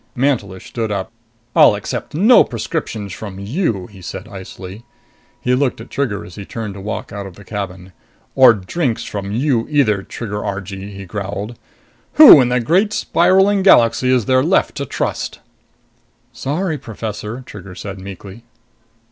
Mantelish stood up. "I'll accept no prescriptions from you!" he said icily. He looked at Trigger as he turned to walk out of the cabin. "Or drinks from you either, Trigger Argee!" he growled. "Who in the great spiraling galaxy is there left to trust!" "Sorry, Professor," Trigger said meekly.